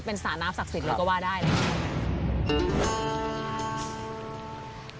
เป็นศาลน้ำศักดิ์สิทธิ์หรือก็ว่าได้เลย